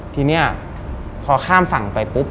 ทีนี้พอข้ามฝั่งไปปุ๊บ